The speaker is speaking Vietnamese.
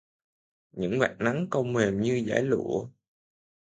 Những vạt nắng cong mềm như dải lụa